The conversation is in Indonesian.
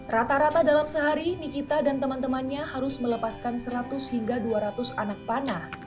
rata rata dalam sehari nikita dan teman temannya harus melepaskan seratus hingga dua ratus anak panah